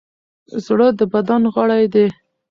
زړه د بدن غړی دی.